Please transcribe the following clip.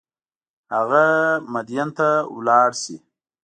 هغه مدین ته ولاړ شي.